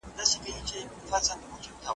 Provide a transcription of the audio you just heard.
هم غل هم غمخور